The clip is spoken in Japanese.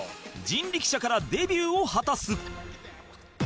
人力舎からデビューを果たす